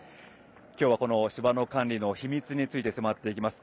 今日は芝の管理の秘密について迫っていきます。